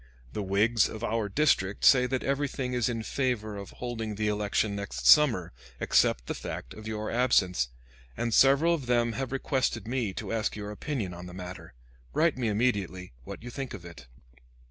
The Whigs of our district say that everything is in favor of holding the election next summer, except the fact of your absence; and several of them have requested me to ask your opinion on the matter. Write me immediately what you think of it.